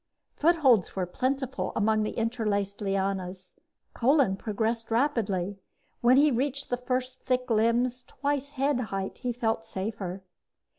Footholds were plentiful among the interlaced lianas. Kolin progressed rapidly. When he reached the first thick limbs, twice head height, he felt safer.